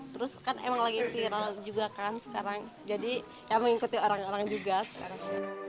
terus kan emang lagi viral juga kan sekarang jadi ya mengikuti orang orang juga sekarang